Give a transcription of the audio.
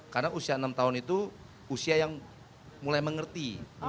karena usia enam tahun itu usia yang mulai mengerti